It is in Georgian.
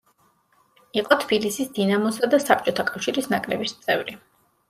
იყო თბილისის „დინამოსა“ და საბჭოთა კავშირის ნაკრების წევრი.